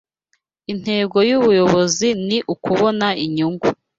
Intego yubuyobozi ni ukubona inyungu